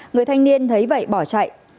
người thanh niên thấy vậy bỏ chạy